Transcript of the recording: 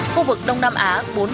khu vực đông nam á bốn năm